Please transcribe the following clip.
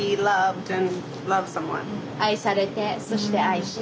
愛されてそして愛して。